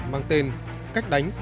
mang tên cách đánh b năm mươi hai